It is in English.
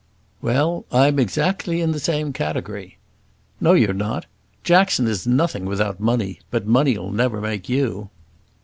"Well, I'm exactly in the same category." "No, you're not. Jackson is nothing without money; but money'll never make you."